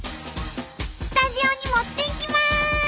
スタジオに持っていきます！